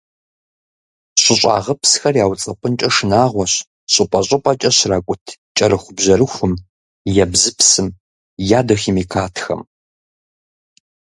ЩӀыщӀагъыпсхэр яуцӀэпӀынкӀэ шынагъуэщ щӀыпӀэ-щӀыпӀэкӀэ щракӀут кӀэрыхубжьэрыхум, ебзыпсым, ядохимикатхэм.